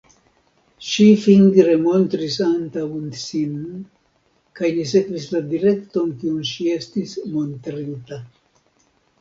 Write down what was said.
Ŝi fingre montris antaŭ sin kaj ni sekvis la direkton, kiun ŝi estis montrinta.